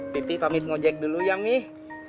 pipih pamit ngejek dulu ya mih